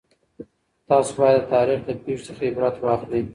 تاسو باید د تاریخ له پېښو څخه عبرت واخلئ.